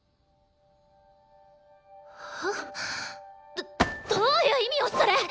どっどういう意味よそれ！？